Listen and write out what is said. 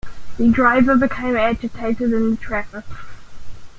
The driver became agitated in the traffic.